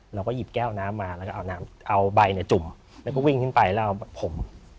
เราก็หยิบแก้วน้ำมาแล้วก็เอาน้ำเอาใบเนี่ยจุ่มแล้วก็วิ่งขึ้นไปแล้วเอาผม